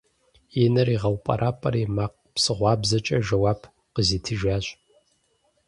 И нэр игъэупӀэрапӀэри, макъ псыгъуабзэкӀэ жэуап къызитыжащ.